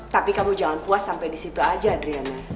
tapi kamu jangan puas sampai di situ aja adriana